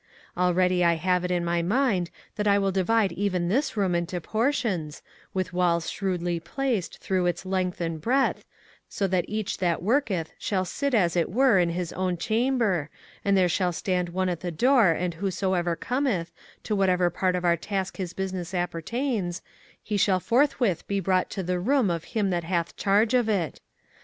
Already I have it in my mind that I will divide even this room into portions, with walls shrewdly placed through its length and breadth, so that each that worketh shall sit as it were in his own chamber and there shall stand one at the door and whosoever cometh, to whatever part of our task his business appertains, he shall forthwith be brought to the room of him that hath charge of it.